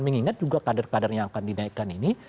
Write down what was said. mengingat juga kadar kadar yang akan dinaikkan ini